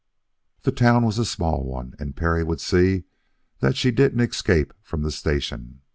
The town was a small one; and Perry would see that she didn't escape from the station.